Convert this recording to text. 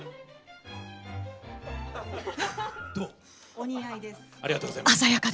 お似合いです。